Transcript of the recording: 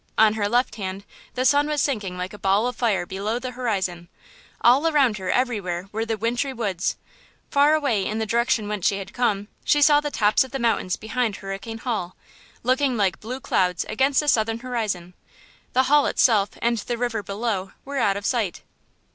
On her left hand the sun was sinking like a ball of fire below the horizon; all around her everywhere were the wintry woods; far away, in the direction whence she had come, she saw the tops of the mountains behind Hurricane Hall, looking like blue clouds against the southern horizon; the Hall itself and the river below were out of sight.